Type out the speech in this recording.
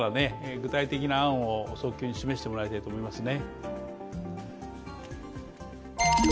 具体的な案を早急に示してもらいたいと思いますね。